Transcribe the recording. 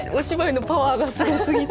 お芝居のパワーがすごすぎて。